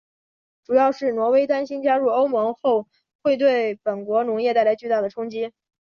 主要是挪威担心加入欧盟后会对本国农业带来巨大的冲击。